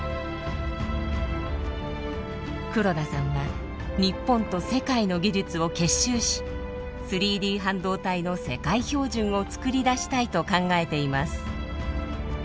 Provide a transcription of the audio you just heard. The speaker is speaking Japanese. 黒田さんは日本と世界の技術を結集し３Ｄ半導体の世界標準をつくり出したいと考えています。